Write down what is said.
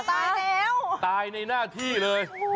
ตายตายนายหน้าที่เลย